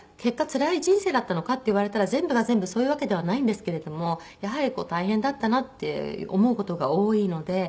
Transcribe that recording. つらい人生だったのかっていわれたら全部が全部そういうわけではないんですけれどもやはり大変だったなって思う事が多いので。